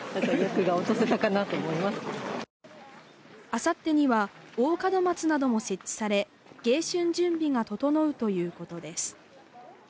あさってには大門松なども設置され、迎春準備が整うということです。